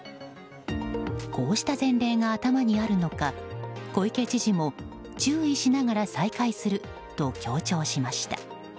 こうした前例が頭にあるのか小池知事も注意しながら再開すると強調しました。